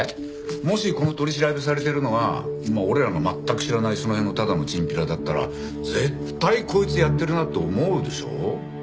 もしこの取り調べされてるのが俺らの全く知らないその辺のただのチンピラだったら絶対こいつやってるなって思うでしょ？